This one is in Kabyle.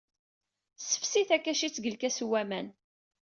Sefsi takacit deg lkas n waman.